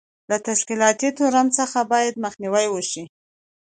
له تشکیلاتي تورم څخه باید مخنیوی وشي.